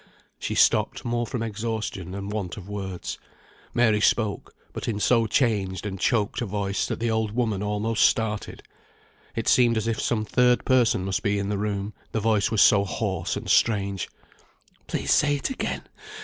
She stopped more from exhaustion than want of words. Mary spoke, but in so changed and choked a voice that the old woman almost started. It seemed as if some third person must be in the room, the voice was so hoarse and strange. "Please, say it again.